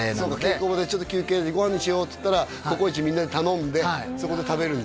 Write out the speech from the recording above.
稽古場でちょっと休憩ご飯にしようっつったらココイチみんなで頼んでそこで食べるんだね